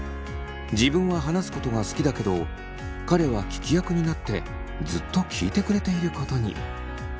自分は話すことが好きだけど彼は聞き役になってずっと聞いてくれていることに。